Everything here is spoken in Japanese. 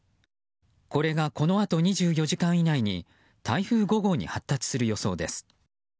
これがこのあと２４時間以内に台風５号に発達する予想です。